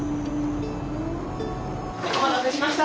お待たせしました。